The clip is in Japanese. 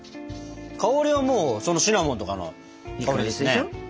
香りはもうシナモンとかの香りですね。